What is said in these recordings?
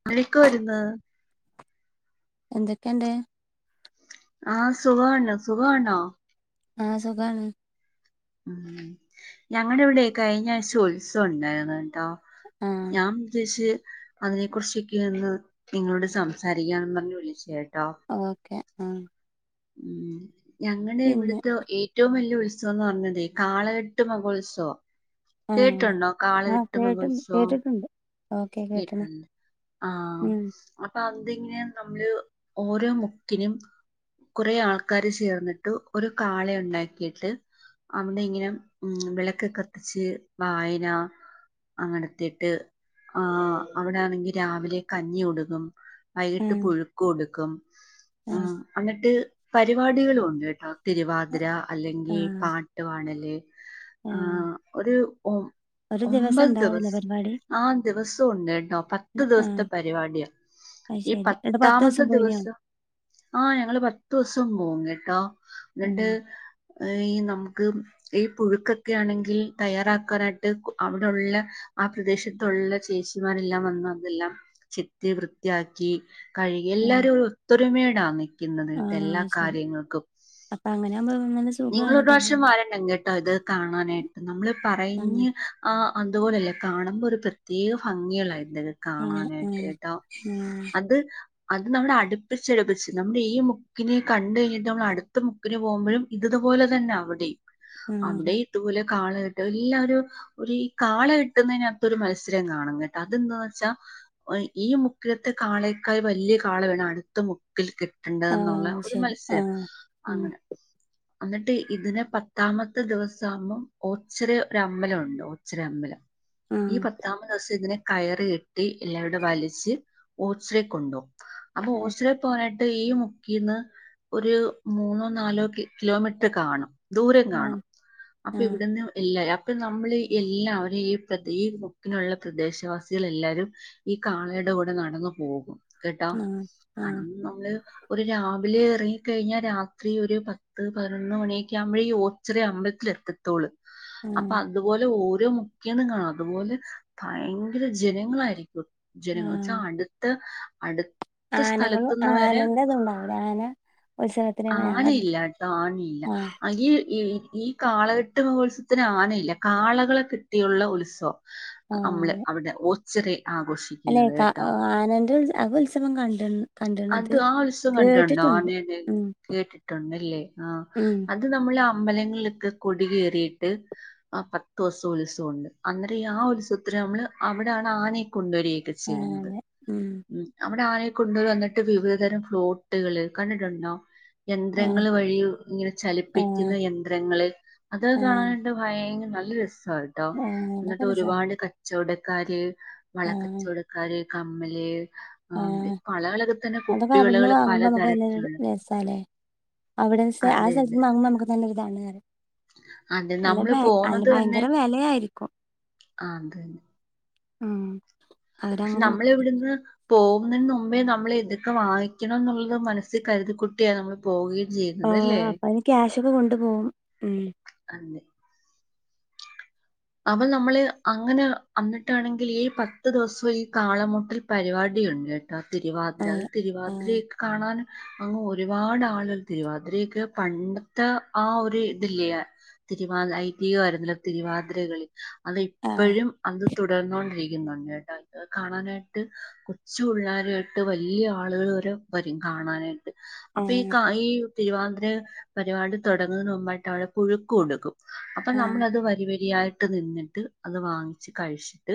[unintelligible] വര്ന്ന് എന്തൊക്കെണ്ട് ആ സുഖാണ് സുഖാണോ ആ സുഖാണ് ഉ ഞങ്ങടെ ഇവിടെ കഴിഞ്ഞാഴിച്ച ഉത്സവം ഉണ്ടായിരുന്ന് ട്ടാ ആഹ് ഞാൻ ഉദ്ദേഷി അതിനെ കുറിച്ചൊക്കെ ഒന്ന് നിങ്ങളോട് സംസാരിക്കാന്ന് പറഞ്ഞു വിളിച്ചയാ കേട്ടോ ഓക്കെ ആ ഉം ഞങ്ങടെ ഇവിടുത്തെ ഏറ്റവും വലിയ ഉ ഉത്സവം എന്ന് പറഞ്ഞതേ കാളകെട്ട് മഹോത്സവം ആഹ് കേട്ടുണ്ടോ ആഹ് കാളകട്ട് കേട്ട് മഹോത്സവം കേട്ടിട്ടുണ്ട് ഓക്കെ കേട്ട്ണ് കേട്ടുണ്ട് ആഹ ഉം അപ്പൊ അ ന നമ്മള് ഓരോ മുക്കനും കുറെേ ആൾക്കാാര് ചേർന്നിട്ട് ഒരു കാളെ ഉണ്ടാക്കിയിട്ട് അവിടെ ഇങ്ങനെ ഉ വിളക്ക് കത്തിച്ച് വായന അങ്ങനെത്തിട്ട് ആർ അവിടൊണെങ്കിൽ രാവിലെ കഞ്ഞി ഉടുകും വൈകിട്ട് ഉം പുഴുക്ക് കൊടുക്കും ആഹ് ഉ പരിപാടികള ഉണ്ട് കേട്ടോ തിരുവാതിര അല്ലെങ്കിൽ ആഹ് പാട്ട്വാണല് ആഹ് ആഹ ഒരു ഒ ഒരു ദിവസം ഒമ്പത് ഉണ്ടാവൂലേ ദിവസം പരിപാടി ആ ദിവസം ഉണ്ട് എണ്ടോ പത്ത് ആഹ് ദിവസത്തെ പരിപാടിയാ അത് ഈ ശരി എന്നിട്ട് പത്ത് പത്താമത്തെ പോയിനോ ദിവസം ആ ഞങ്ങള്ൾ പത്ത് ദിവസം പോകും കേട്ടോ രണ്ട് ആഹ് നമുക്ക് ഈ പുഴുക്കൊക്കെ ആണെങ്കിൽ തയ്യാറാക്കാനായിട്ട് അവിടെള്ള ആ പ്രദേശത്തുള്ള ചേച്ചിമാരെല്ലാം വന്ന അതെല്ലാം ചെത്തി വൃത്തിയാക്കി കഴുക ആഹ് എല്ലാരും ഒത്തൊരുമ ആമ ട്ട എല്ലാ ആഹ് ശരി കാര്യങ്ങൾക്കും അപ്പൊ അങ്ങനെയാവുമ്പോ നല്ല നിങ്ങ സുഖാണ് ഒരു പ്രാവശ്യം പരിപാടി വരണ്ടെ കേട്ടോ ഇത് കാണാനായിട്ട് നമ്മൾ ആഹ് പറഞ്ഞ് ആ അതുപോലല്ലേ കാണുമ്പോൾ ഒരു പ്രത്യേക ഭംഗിയള്ളായിരുന്നു എന്തൊക്ക ആഹ് കാണാനായിട്ട് ആഹ് കേട്ടാ ആഹ് അത് അത് നമ്മള അടുപ്പിച്ചടുപ്പിച്ച് നമ്മുടെ ഈ മുക്കിനെ കണ്ട കഴിഞ്ഞിട്ട് നമ്മൾ അടുത്ത മുക്കിനന് പോകുമ്പോഴും ഇതതുപോലെ തന്നെ അവിടെ ആഹ് അവിടെ ഇതുപലെ കാള കിട്ടും എല്ലാരും ഒരു ഈ കാള കിട്ടുന്നതിനകത്ത ഒരു മത്സരം കാണണം കേട്ടെ അതെന്താന്ന് വെച്ചാൽ ഈ മുക്കിലത്തെ കാളേക്കാ വലിയ കാള വേണം അടുത്ത മുക്കിൽ കിട്ട ണ്ട എന്നുള്ള ആഹ് ഒരു ശരി മത്സ്യ ആഹ് ഉം അങ്ങനെ എന്നിട്ട് ഇതിന് പത്താമത്തെ ദിവസ ആകുമ്പം ഓച്ചറ ഒ അമ്പലംുണ്ട് ഓച്ചറ അമ്പലം ഈ ആഹ് പത്താമത് ദിവസം ഇതിനെ കയറി കെട്ടി എല്ലാവടെ വലിച്ച് ഓച്ചറ കൊണ്ടുപോും അപ്പൊ ആഹ് ഓസില പോാനട്ട് ഈ മുക്കീന്ന് ഒരു മൂന്നോ നാലോക്കെ കിലോമീറ്റർ കാണും ദൂരം കാണും ആഹ് അപ്പൊ ആഹ് ഇവിടുന്ന് എല്ല ഇപ്പം നമ്മള് എല്ലാവരും ഈ പ്രതക്കിനുള്ള പ്രദേശവാസികൾ എല്ലാരും ഈ കാളയുടെ കൂടെ നടന്നു പോകും കേട്ടോ ആഹ് അന്ന് നമ്മള് ഒരു രാവിലെ ഇറങ്ങ കഴിഞ്ഞാൽ രാത്രി ഒരു പത്ത് പത്ത് പതിനൊന്ന് മണിയൊക്കെ ആവുമ്പഴേ ഈ ഓച്ചററി അമ്പലൽ എത്തോളൂ അപ്പൊ ആഹ് അതുപോലെ ഓ മുഖേന്ന കാണാം അതുപോലെ ഭയങ്കര ജനങ്ങളായിരിക്കും ജനംന്ന് വച്ചാ അടുത്ത അടു ആനകള് അനന്റതുണ്ട അവിടെ ആന ഉത്സവത്തിന് ഞാൻ കണ്ടി ആനയില്ലാട്ടോ [unintelligible] ഈ ഈ കാളകേട്ട് മഹോത്സത്തിന് ആനയില്ല കാളകളെ കെട്ടിയുള്ള ഉത്സവവ നമ്മള് അവിടെ ഊ ശ്രീ അല്ല ഈ കാ ആനേന്റെ അതുൽസവം കണ്ട് കണ്ട്ണത് അത് ആ ഉത്സവം കണ്ടിട്ടൊണ്ടാ കേട്ടിട്ടുണ്ട് ഉം കേട്ടിട്ടുണ്ടല്ലേ ആ ഉം അത് നമ്മള അമ്പലങ്ങളിലൊക്കെ കൊടി കേറീട്ട് ആ പത്തുവസോം ഉത്സവോണ്ട് അന്നേരം ഈ ആ ഉത്സവത്തിന് നമ്മള് അവിടാണ് ആനേ കൊണ്ട് വരേക്ക ആ ചെയ്യുന്നത് അതെ ഉം മ്മ് അവിടാര കൊണ്ടൊരുവന്നേ വിവിധതരം ഫ്ളോട്ടുകള് കണ്ടിട്ടൊണ്ട ആ യന്ത്രങ്ങള് വഴി ഇങ്ങന ആ ചലിപ്പിക്കുന്ന യന്ത്രങ്ങള് അത് ആ കാണാനെന്ത് ഭയ നല്ല രസ ആട്ടോ ആ അതൊക്കെ എന്നിട്ട് രസാണ് ഒരുപാട് കച്ചോടം കാര്യേൽ ആ വളകച്ചോടക്കാര് കമ്മല് ആം പല കളറ് അതൊക്ക അവിടുന്ന് വാങ്ങുമ്പ നമുക്ക് നല്ല രസാണ് അവിടെ പക്ഷെ ആ അതെ അതെ സ്ഥലത്ത്ന്ന് വാങ്ങുമ്പോ നമുക്ക് നല്ലൊരു [unintelligible] അതെ അല്ല നമ്മള് വെ അല്ല പോന്നത് തന്നെ ഭയങ്കര വെലയായിരിക്കും ആഹ് അതന്നെ ആഹ് പക്ഷെ നമ്മളിവിടുന്ന് പോവുന്നേന് മുമ്പേ നമ്മള് ഇതൊക്ക വാങ്ങിക്കണം എന്നുള്ളത് മനസ്സി കരുതിക്കൂട്ടിയാ നമ്മള് പോകെ ആ അപ്പ ഇനി ക്യാഷ് ഉ കൊണ്ടു പോവും ഉം അതെ അപ്പം നമ്മള് അങ്ങന അന്നിട്ടാണെങ്കിൽ ഈ പത്ത് ദിവസോം ഈ കാളമുട്ടൽ പരിപാടിയുണ്ട് ആ തിരുവാതിര അത് ആ തിരുവാതിരയൊക്കെ കാണാൻ അങ്ങങ് ഒരുപാട് ആളുകൾ തിരുവാതിരൊക്കെ പണ്ടത്തെ ആ ഒരു ഇതില്ല തിരുവാതി ഐ ടി കാര്ുന്ന തിരുവാതിര മിൽ അത് ആഹ് ഇപ്പോഴും അത് തുടർന്നോണ്ടിരിക്കുന്നുണ്ട് കേട്ടാ കാണാനായിട്ട് കൊച്ചു പുള്ളാരായിട്ട് വെല്ല്യ ആളുകൾ വരെ വരും കാണാനായി അപ്പേ ആഹ് കായി തിരുവാതിര പരിപാടി തുടങ്ങുന്ന മുമ്പായിട്ട് അവിടെ പുഴുക്ക കൊടുക്കും അപ്പൊ ആഹ് നമ്മൾത് വരുവേ [unintelligible] ആയിട്ട് നിന്നിട്ട് അത് വാങ്ങിച്ച് കഴിച്ചി ത്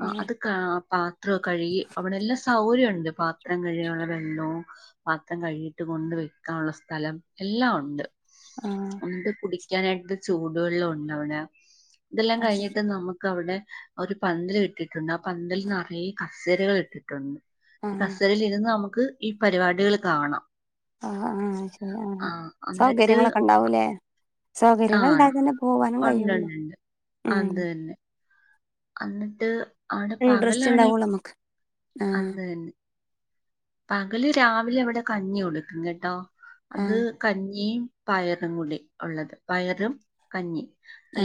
ആ ആഹ് അത് ക പാത്രം കഴുകി അവിടെ എല്ലാം സൗകര്യ ഉണ്ട് പാത്രം കഴിയാനുള്ള വെള്ളവും പാത്രം കഴിട്ട് കൊണ്ട് വെക്കാനുള്ള സ്ഥലം എല്ലാം ഉണ്ട് ആഹ് ഒണ്ട് കുടി ക്കാനായിട്ട് ചൂടു വെള്ളം ഉണ്ടാവടെ ഇതല്ലാം അത് ശരി കഴിഞ്ഞിട്ട് നമുക് അവിടെ ഒരു പന്തൽ ഇട്ടിട്ടുണ്ട് ആ പന്തല നിറയെ കസേരകൾ ഇട്ടിട്ടുണ്ട് ഈ ആഹ് കസരിൽരുന്ന് നമുക് ക്ക് ഈ പരിപാടികൾ കാണാം ആ ആഹ് ശരി ആ സൗകര്യങ്ങളൊക്കെ ഉണ്ടാവൂല്ലേ സൗകര്യങ്ങൾ ഉണ്ടായ തന്നെ പോവാനും കഴിയുള്ളു. അതു തന്നെ അന്നിട്ട് ഇൻഡ്രസ്റ്റ് ഉണ്ടാവൂള്ളു നമുക്ക് ആഹ് അതന്നെ പകല് രാവിലെ അവിടെ കഞ്ഞി കൊടുക്കും കേട്ടോ അത് ആഹ് കഞ്ഞിയും പയറും കൂടി ഉള്ളത് പയറും കഞ്ഞി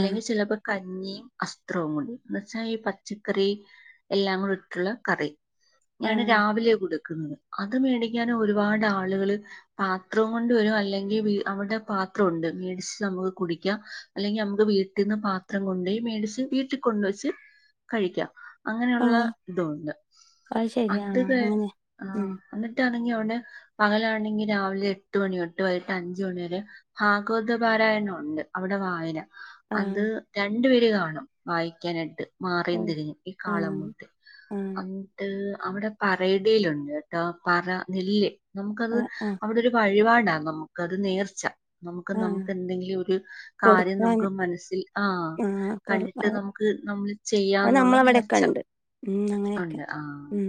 ആഹ് ചിലപ്പോ ക ഞ്ഞിയും അസ്ത്രവും കൂടി എന്നന്ന് വെച്ചാ ഈ പച്ചക്കറി എല്ലാം കൂടി ഇട്ടുള്ള കറി. ഞാൻ ആഹ് രാവിലെ കുടു ക്കുന്നെ അത് മേടിക്കൻ ഒരുപാട് ആളുകള് പാത്രം കൊണ്ട് വരും അല്ലെങ്കിൽ അവിടെ പാത്രം ഉണ്ട് മേടിച്ച് നമുക്ക് കുടിക്കാം അല്ലെങ്കിൽ നമുക്ക് വീട്ടിൽന്ന് പാത്രം കൊണ്ടയി മേടിച്ച് വീട്ടിൽ കൊണ്ട് വെച്ച് കഴിക്കാം. അങ്ങനെയുള്ള ആഹ് ഇതും ഉണ്ട് ശരി അത് ആഹ് ക അങ്ങനെ ഉം ണെങ്കി പകലാണെങ്കിൽ രാവിലെ എട്ട് മണി എട്ട് വൈകിട്ട് അഞ്ച് മണിവരെ ഭാഗവദ്വ പാരായണം ഉണ്ട് അവിടെ വായന. അത് ആഹ് രണ്ട് ണ്ട് പേര് കാണും വായിക്കാനിട്ട് മാറീം ഉം തിരിഞ്ഞും ഈ കാള ആഹ് മുട്ട് ആഹ് അന്നിട്ട് അവിടെ പറയിടീലു ണ്ട് കേട്ടോ പറ നെല്ല് നമുക്കത് ആഹ് ആഹ് അവിടെ ഒരു വഴിപാട് ണ്ട നമുക്കത് നേർച്ച നമുക്ക് ആഹ് നമുക്ക് എന്തെങ്കിലും ഒരു കാര്യം കൊടുക്കാന് നമുക്ക് മനസ്സിൽ ആഹ ആഹ് കൊടു കണ്ടിട്ട് അത് നമുക്ക് നമ്മൾ അത് ചെയ്യാംന്നുള്ള നമ്മളവിടെയൊക്കെ നേർച്ച ഉണ്ട് ഉം അങ്ങനെയൊക്കെ ഉണ്ട് ആഹ ഉം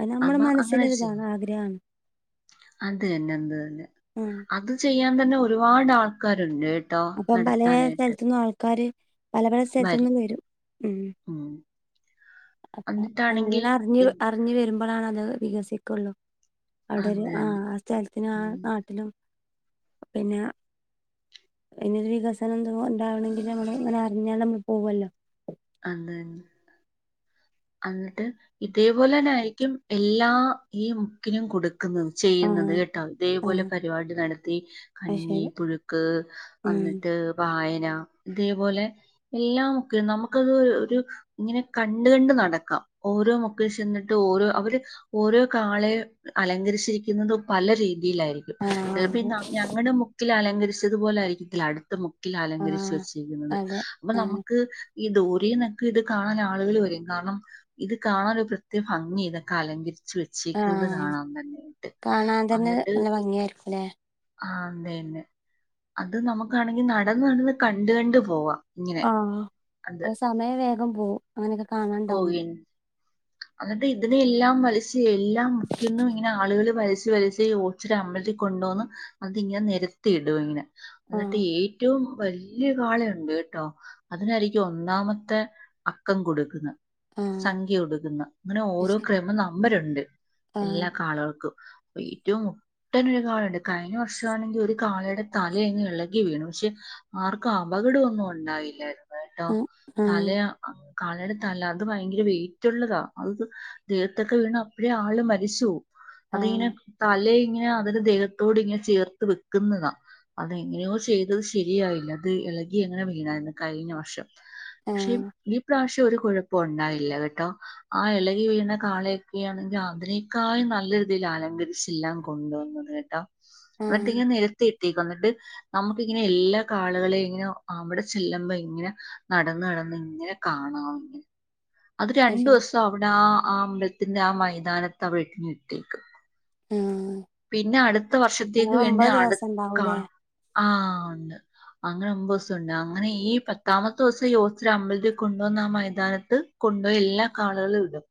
അത് നമ്മുടെ അപ്പ അങ്ങനെ മനസ്സിലൊരിതാണ് ചെയ്യാം ആഗ്രഹാണ് അത തന്നെ എന്ത് തന്നെ ഉം അത് ചെയ്യാൻ അ തന്നെ ഒരുപാട് ആൾക്കാരുണ്ട് കേട്ടോ അപ്പം പല നടത്താനായിട്ട് സ്ഥലത്തുന്നും ആൾക്കാാര് പല പല സ്ഥലത്തൊന്നും വരും ഉം അപ്പ അങ്ങനെ എന്നിട്ടാണെങ്കിൽ അറി ഇത് അറിഞ്ഞഞ് വരുമ്പോ ബണാനക സ കൊള്ളോ അവിടെ അത് ഒരു ആഹ തന്നെ ആ സ്ഥലത്തിനും ആ ഉം നാട്ടിനും പി പിാ ഇരു വികസനംന്ത ഉണ്ടാവണെങ്കിൽ നമ്മള് ഇങ്ങനെ അറിഞ്ഞാൽ നമ്മൾ പോവല്ലോ അന്ത എന്നിട്ട് ഇതേപോലെ തന്നെ ആയിരിക്കും എല്ലാ ഈ മുക്കിനും കൊടുക്കും ആ ചെയ്യുന്നത് കേട്ട ആ ഇതേപോലെ പരിപാടി നടത്തി അത് കഞ്ഞി ശരി പുഴുക്ക് ഉം എന്നിട്ട് വായന ഇതേപോലെ എല്ലാം ഒക്കെ നമുക്കത് ഇങ്ങനെ കണ്ട കണ്ട് നട ഓരോക്ക ചെന്നിട്ട് ഓോ അവ ഓരോ കാളെ അലങ്കരിച്ചിരിക്ക രീതിയിലായിരിക്കും ആ ചിലപ്പ അത് ഞങ്ങളുടെ മു അലങ്കരിച്ചതുപോലൊയിരിക്കും അടുത്ത മു ആ അലങ്കരിച്ച വെച്ചിരിക്കുന്നത് അതെ അപ്പൊ ആ നമുക്ക് ഈ ദോരി എന്നൊക്കെ ഇത് കാണാൻ ആളുക വരയും കാരണം ഇത് കാണാൻൊ ഒരു പ്രത്യേക ഭംഗി ഇതൊക്കെ അലങ്കരി ആ ചച്ിക്കുന്നത് കാണാാം തന്നൊയിട്ട് കാണാൻ തന്നെ എന്നിട്ട് നല്ല ഭംഗിയായിരിക്കുംല്ലേ ആ അന്തേന്നെ അത് നമുക്കാണെങ്കി നടന്ന നടന്ന് കണ്ടുകണ്ട്ു പോവാ ആഹ അ സമയം വേ ന്പോൾ അങ്ങനെയൊക്കെ കാണാനണ്ടാവും അട്ട ഇതിനെ എല്ലാം വല എല്ലാം മുക്കിക്കുന്നു ഇങ്ങനെ ആളുകൾ ല വല ഓച്ചിര അമ്പലത്തി കൊണ്ടുവന്ന് അത്ങ്ങനെ നിരത്തി ഇടും ഇങ്ങനെ ആ എന്നിട്ട് ഏറ്റവും വലിയ വാളയുണ്ട് കേട്ടോ അതിനായിരിക്കും ഒന്നാമത്തെ അക്കം കൊടുക്കുന്നത് ആ സംഖ്യ ഉടുക്കുന്ന അങ്ങനെ അത് ഓരോ ശരി ക്രമ നമ്പരുണ്ട് ആ എല്ലാ കാളുകൾക്കും ഏറ്റവും മുട്ടനൊരു കാളുണ്ട് കഴിഞ്ഞ വർഷമാണെങ്കിൽ ഒരു കാളയുടെ തലന്ന് ഇളകി വീണു പക്ഷെ ആർക്കും അപകടംഒന്നും ഉണ്ടായില്ലായിരുന്നു ട്ടോ ആ ആ താലെ കാള തല അത് ഭയങ്കര വെയിറ്റ്ള്ളതാ അത് ദേഹത്തൊക്കെ വീണ അപ്പഴേ ആള് മരിച്ചുപോകും ആഹ് അതിങ്ങനെ തല ഇങ്ങനെ അതിന് ദേഹത്തോട് ഇങ്ങനെ ചേർത്ത് വെക്കുന്നതാ അതെങ്ങനെയോ ചെയ്തത് ശരിയായില്ല അത് ഇളകി എങ്ങനെ വീണായിരുന്നു കഴിഞ്ഞ വർഷം പക്ഷെ ആഹ് ഇപ്രാവശ്യം കുഴപ്പം ഉണ്ടായില്ല കേട്ടോ ആ ഇളകി വീണ കാളയൊക്കെയ ആണെങ്കിൽ അതിനനേക്കായും നല്ല രീതിയിൽ അലങ്കരിച്ചെല്ലാം കൊണ്ടുവന്നത് കേട്ടോ ന്നട്ട് ആഹ് ഇങ്ങനെ എ വന്നിട്ട് നമുക്ക ഇങ്ങനെ എല്ലാ കാളകളെയും ഇങ്ങനെ അവിടെ ചെല്ലുമ്പോ ഇങ്ങനെ നടന്ന് നടന്ന് ഇങ്ങനെ കാണാം ഇങ്ങനെ അത് രണ്ടു പക്ഷെ ദിവസം അവിട ആ അമ്പലത്തിന്റെ ആ മൈതാനത്ത് വട്ട ഇട്ടേക്കും ആ പിന്നെ അടുത്ത വർഷത്തേക്ക് വേണ്ടി ദിവസം അടുത്ത കാ ഉണ്ടാവൂലേ ആഹ ഉണ്ട് അങ്ങനെ ഒമ്പത് ദിവസംണ്ട് അങ്ങനെ ഈ പത്താമത്തെ ദിവസംഈ യോസ അമ്പലത്തെ കൊണ്ടപോന്ന ആ മൈതാനത്ത് കൊണ്ടപോ എല്ലാ കാളകളും ഇടും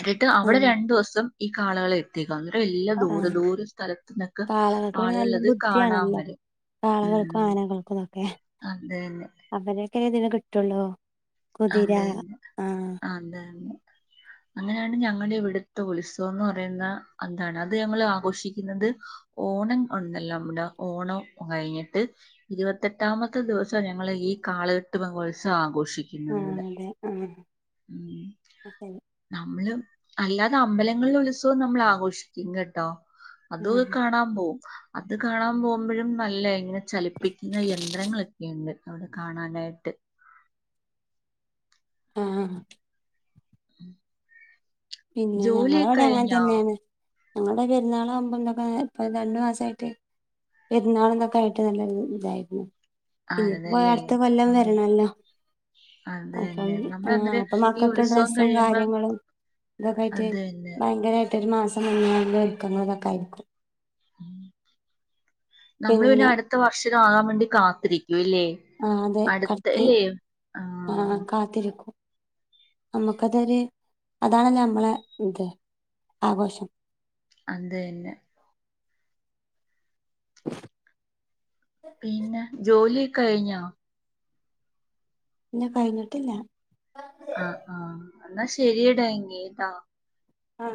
എന്നിട്ട് അവിടെ ആഹ് രണ്ടു ദിവസം ഈ കാളകൾ ഒക്കെ [unintelligible] ആഹ കാളകൾക്ക് പിന്ന നല്ല ആളുകളത് കാണാൻ ബുദ്ധിയാണല്ലോ വരും കാളകൾക്കും ആനകൾക്കുംമോക്കെ അതെ ലേ ഇതിന് കിട്ടുള്ളോ അതന്നെ ആ അതന്നെ അങ്ങനെയാണ് ഞങ്ങളുടെ ഇവിടുത്തെ ഉത്സവം എന്ന് പറയുന്ന എന്താണ് അത് ഞങ്ങ ആഘോഷിക്കുന്നത് ഓണം ഉണ്ടല്ലോ നമ്മുടെ ഓണം കഴിഞ്ഞിട്ട് ഇരുപത്തെട്ടാമത്തെ ദിവസം ഞങ്ങള്ൾ ഈ കാളകെട്ട് പോത്സവം ആഘോഷിക്കും ആഹ് ടെ [unintelligible] ഉം അ ശരി നമ്മള് അല്ലാതെ അമ്പലങ്ങളില ഉത്സവം നമ്മൾ ആഘോഷിക്കും കേട്ടോ അതൊ ആഹ് കാണാൻ പോകും അത് കാണാൻ പോകുമ്പോഴും നല്ല ഇങ്ങനെ ചലിപ്പിക്കുന്ന യന്ത്രങ്ങൾ ഒക്കെയുണ്ട് അവിടെ കാണാനായിട്ട് ആഹ പിന്നെ ഞങ്ങള ജോലിയൊക്കെ അവിടെ അങ്ങനെ കഴിഞ്ഞോ തന്നെയാണ് ഞങ്ങളുടെ പെരുന്നാള ആകുമ്പോ എന്തൊക്കെ ഇപ്പൊ രണ്ടു മാസയിട്ട് പെരുന്നാളന്തൊക്കെ ആയിട്ട് നല്ലൊരു ഇതായിരുന്നു ഇനിയിപ്പോ പോയ ആണതല്ലേ അടുത്ത കൊല്ലം ആഹ് വരണല്ലോ അത് അപ്പം തന്നെ ആ നമ്മളന്നേരം അപ്പൊ ഈ മക്കൾക്ക് ഉത്സവം ഡ്രസ്സും കഴിയുമ്പം കാര്യങ്ങളും ഇതൊക്കൊയിട്ട് അത് തന്നെ ഭയങ്കരമായിട്ട് മറ്റൊരു മാസം മ വൽക്കുന്നതൊക്കെ ആയിരിക്കും ഉം നമ്മള് പിന്നെ അടുത്ത വർഷം ആകാൻ വേണ്ടി കാത്തിരിക്കും ഇല്ലേ ആ അതെ അടുത്ത കടച്ച് ഇല്ലേ ആഹ ആഹ് കാത്തിരിക്കും നമ്മുക്കതൊരു അതാണല്ലേ നമ്മളെ ഇത് ആഘോഷം അത് എന്നന്നെ പിന്നെ ജോലി കഴിഞ്ഞോ പിന്നാ കഴിഞ്ഞിട്ടില്ല ആഹ് ആഹ് എന്നാ ശരിടാ ഇങ്ങതാ ആഹ